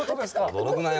驚くなよ。